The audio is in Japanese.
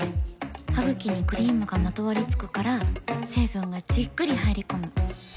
ハグキにクリームがまとわりつくから成分がじっくり入り込む。